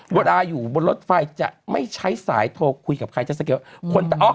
รวดอ่าอยู่บนรถไฟจะไม่ใช้สายโทรคุยกับใครเฉพาะ